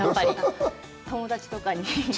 友達とかに。